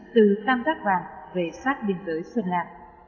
từ tam giác vàng về sát biên giới sơn la